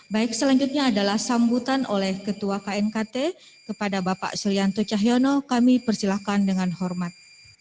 baik selanjutnya adalah sambutan oleh ketua knkt kepada bapak sulianto cahyono kami persilahkan dengan hormat